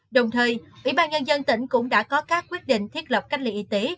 đồng thời ủy ban nhân dân tỉnh cũng đã có các quyết định thiết lập cách ly y tế